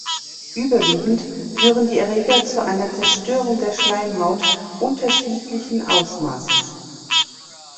Überwiegend führen die Erreger zu einer Zerstörung der Schleimhaut unterschiedlichen Ausmaßes.